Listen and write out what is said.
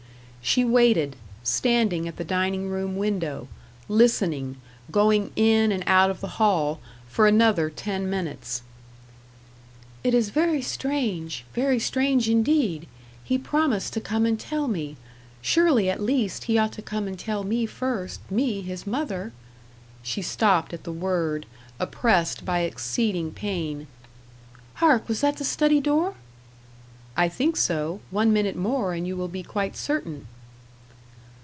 She waited standing at the dining room window listening going in and out of the hall, for another ten minutes. "It is very strange very strange indeed. He promised to come and tell me; surely at least he ought to come and tell me first me, his mother " She stopped at the word, oppressed by exceeding pain. "Hark! was that the study door?" "I think so; one minute more and you will be quite certain."